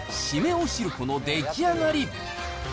おしるこの出来上がり。